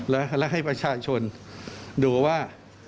และให้ประชาชนดูว่า